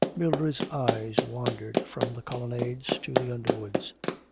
Mildred's eyes wandered from the colonnades to the underwoods.